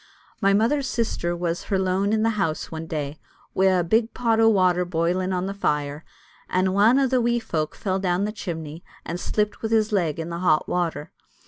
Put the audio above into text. My mother's sister was her lone in the house one day, wi' a' big pot o' water boiling on the fire, and ane o' the wee folk fell down the chimney, and slipped wi' his leg in the hot water.